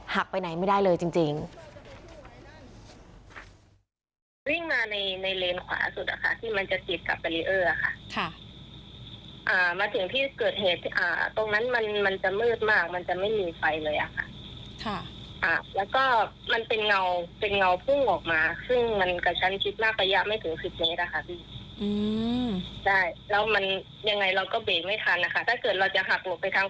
ไปไหนไม่ได้เลยจริง